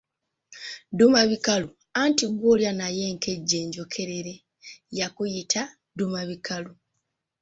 Ddumabikalu, anti gw'olya naye enkejje enjokerere yakuyita ddumabikalu.